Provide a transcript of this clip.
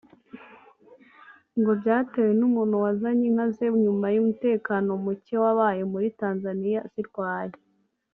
ngo byatewe n’umuntu wazanye inka ze nyuma y’umutekano mucye wabaye muri Tanzaniya zirwaye